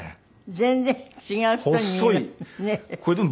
全然違う人に見える。